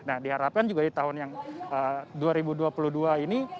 nah diharapkan juga di tahun yang dua ribu dua puluh dua ini